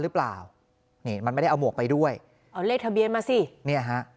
หรือเปล่านี่มันไม่ได้เอาหมวกไปด้วยเอาเลขทะเบียนมาสิเนี่ยฮะ